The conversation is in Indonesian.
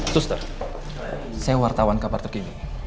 suster saya wartawan kabar terkini